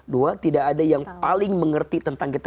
dua tidak ada yang paling mengerti tentang kita